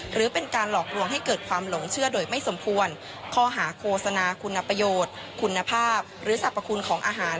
หรือเป็นการหลอกลวงให้เกิดความหลงเชื่อโดยไม่สมควรข้อหาโฆษณาคุณประโยชน์คุณภาพหรือสรรพคุณของอาหาร